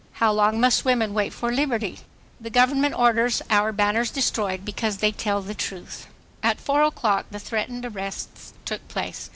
HOW LONG MUST WOMEN WAIT FOB LIBERTY? THE GOVERNMENT ORDERS OUR BANNERS DESTROYED BECAUSE THEY TELL THE TRUTH. At four o'clock the threatened arrests took place.